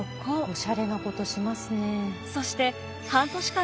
おしゃれなことしますね。